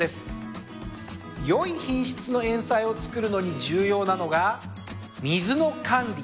良い品質のエンサイを作るのに重要なのが水の管理。